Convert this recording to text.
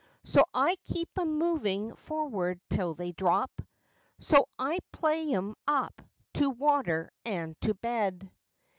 ] So I keep 'em moving forward till they drop; So I play 'em up to water and to bed.